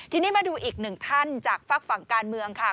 ทีนี้มาดูอีกหนึ่งท่านจากฝากฝั่งการเมืองค่ะ